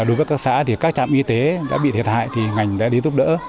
đối với các xã thì các trạm y tế đã bị thiệt hại thì ngành đã đến giúp đỡ